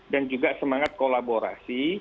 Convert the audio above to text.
dan juga semangat kolaborasi